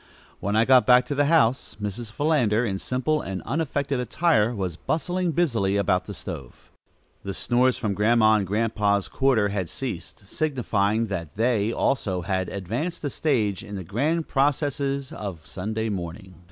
When I got back to the house, Mrs. Philander, in simple and unaffected attire, was bustling busily about the stove. The snores from Grandma and Grandpa's quarter had ceased, signifying that they, also, had advanced a stage in the grand processes of Sunday morning.